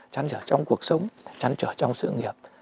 trăn trở trong cuộc sống trăn trở trong sự nghiệp